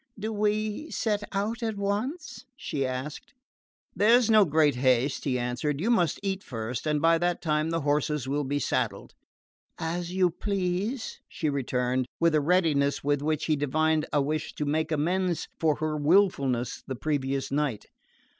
"Do we set out at once?" she asked. "There is no great haste," he answered. "You must eat first, and by that time the horses will be saddled." "As you please," she returned, with a readiness in which he divined the wish to make amends for her wilfulness the previous night.